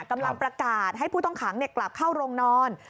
กำลังประกาศให้ผู้ต้องขังกลับเข้าโรงนอน